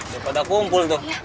ya pada kumpul tuh